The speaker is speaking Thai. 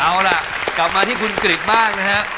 เอาล่ะกลับมาที่คุณกริจบ้างนะฮะ